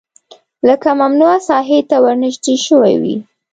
لکه ممنوعه ساحې ته ورنژدې شوی وي